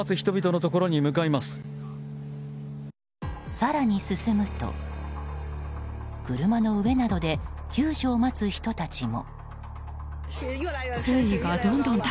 更に進むと、車の上などで救助を待つ人たちも。